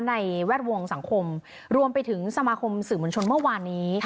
แวดวงสังคมรวมไปถึงสมาคมสื่อมวลชนเมื่อวานนี้